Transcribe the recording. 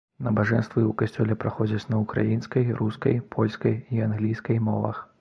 Набажэнствы ў касцёле праходзяць на ўкраінскай, рускай, польскай і англійскай мовах.